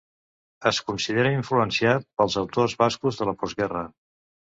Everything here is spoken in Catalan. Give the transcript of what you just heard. Es considera influenciat pels autors bascos de la postguerra.